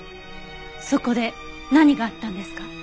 そこで何があったんですか？